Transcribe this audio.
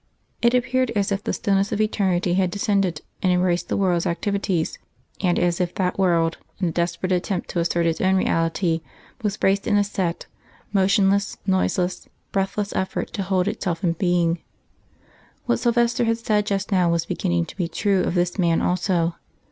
It appeared as if the stillness of eternity had descended and embraced the world's activities, and as if that world, in a desperate attempt to assert its own reality, was braced in a set, motionless, noiseless, breathless effort to hold itself in being. What Silvester had said just now was beginning to be true of this man also.